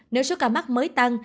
nếu số ca mắc mới tăng